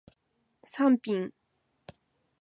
サンピン